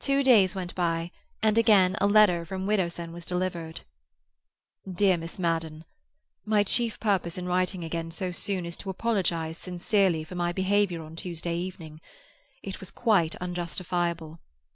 Two days went by, and again a letter from Widdowson was delivered, "DEAR MISS MADDEN—My chief purpose in writing again so soon is to apologize sincerely for my behaviour on Tuesday evening. It was quite unjustifiable.